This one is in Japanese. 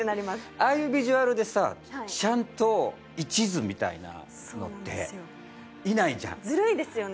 ああいうビジュアルでさちゃんと一途みたいなのっていないじゃんずるいですよね